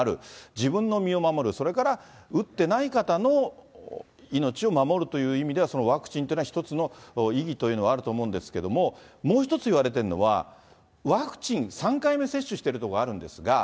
自分の身を守る、それから打ってない方の命を守るという意味では、そのワクチンっていうのは、一つの意義というのはあると思うんですけども、もう一ついわれてるのは、ワクチン３回目接種してるところあるんですが。